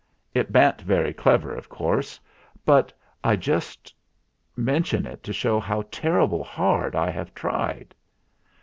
It ban't very clever, of course, but I just mention it to show how terrible hard I have tried."